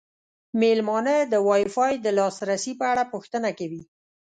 میلمانه د وای فای د لاسرسي په اړه پوښتنه کوي.